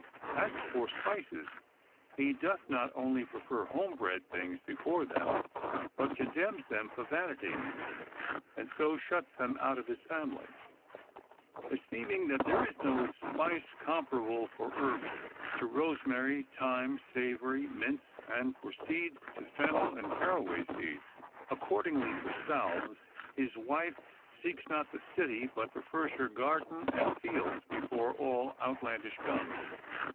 As for spices, he doth not only prefer home bred things before them, but condemns them for vanities, and so shuts them out of his family ; esteeming that there is no spice com parable, for herbs, to rosemary, thyme, savory, mints ; and for seeds, to fennel, and carraway seeds. Accord ingly for salves, his wife seeks not the city, but prefers her garden and fields before all outlandish gums.